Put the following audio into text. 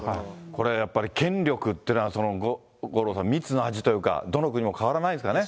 これ、やっぱり権力っていうのは、五郎さん、蜜の味というか、どの国も変わらないですかね。